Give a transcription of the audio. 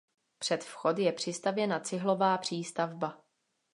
Před vchod je přistavěna cihlová přístavba.